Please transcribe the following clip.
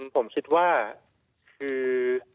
ผมคิดว่าคือ